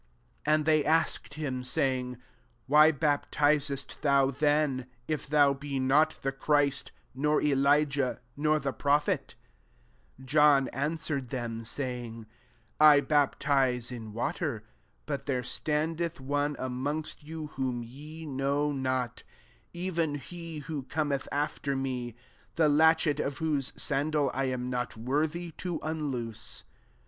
25 And they asked him, say ing, " Why baptizest thou then, if thou be not the Christ, nor Elijah, nor the prophet ?'* 26 John answered them, saying, " I baptize in water ! but there standeth one amongst you, whom ye know not; 27 even he who Cometh after me; the latchet of whose sandal I am not worthy to unloose."